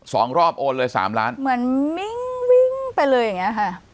สองรอบโอเลยสามล้างเหมือนมิขุ้งไปเลยค่ะ